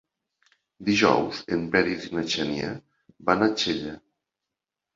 Dijous en Peris i na Xènia van a Xella.